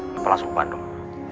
lepas langsung ke bandung